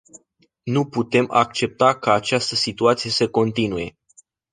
Nu putem accepta ca această situație să continue.